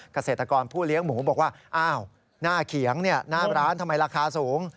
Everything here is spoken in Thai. เกษตรกรผู้เลี้ยงหมูบอกว่าอ้าวหน้าเขียงหน้าร้านทำไมราคาสูง